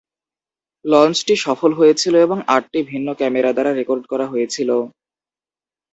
লঞ্চটি সফল হয়েছিল এবং আটটি ভিন্ন ক্যামেরা দ্বারা রেকর্ড করা হয়েছিল।